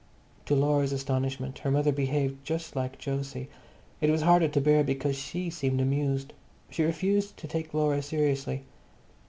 To Laura's astonishment her mother behaved just like Jose; it was harder to bear because she seemed amused. She refused to take Laura seriously.